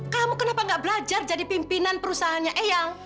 kamu kenapa gak belajar jadi pimpinan perusahaannya eyang